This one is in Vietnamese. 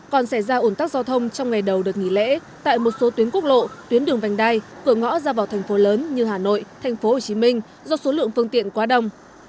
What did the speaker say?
còn xảy ra ổn tắc giao thông trong ngày đầu đợt nghỉ lễ tại một số tuyến quốc lộ tuyến đường vành đai cửa ngõ ra vào thành phố lớn như hà nội thành phố hồ chí minh do số lượng phương tiện quá đông